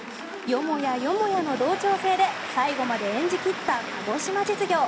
よもやよもやの同調性で最後まで演じ切った鹿児島実業。